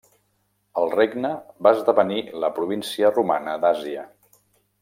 El regne va esdevenir la província romana d'Àsia.